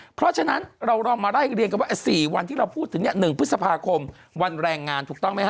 เพราะฉะนั้นเราเราร่ายเรียนวันที่เราพูด๑พฤศภาคมวันแรงงาน